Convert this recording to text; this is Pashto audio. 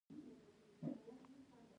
مهرباني ښه ده.